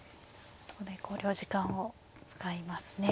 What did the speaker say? ここで考慮時間を使いますね。